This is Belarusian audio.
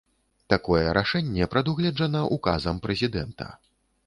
Такое рашэнне прадугледжана ўказам прэзідэнта.